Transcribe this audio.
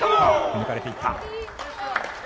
抜かれていった。